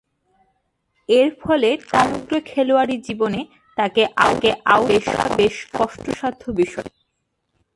এরফলে তার সমগ্র খেলোয়াড়ী জীবনে তাকে আউট করা বেশ কষ্টসাধ্য বিষয় ছিল।